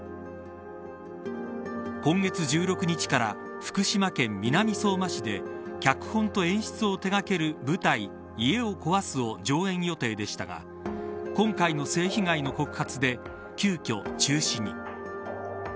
今月１６日から福島県南相馬市で脚本と演出を手掛ける舞台家を壊すを上演予定でしたが今回の性被害の告発で急きょ中止に。